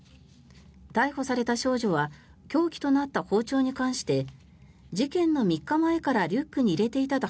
逮捕された少女は凶器となった包丁に関して事件の３日前からリュックに入れていたと